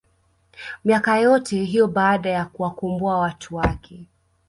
miaka yote hiyo baada ya kuwakomboa watu wake